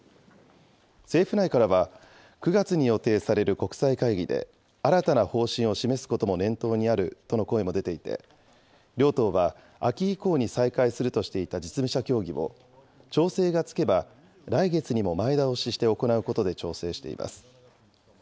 政府内からは、９月に予定される国際会議で、新たな方針を示すことも念頭にあるとの声も出ていて、両党は秋以降に再開するとしていた実務者協議を、調整がつけば来月にも前倒しして行うことで調整しています。